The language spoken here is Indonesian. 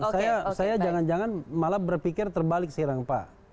soalnya saya jangan jangan malah berpikir terbalik sih rangpa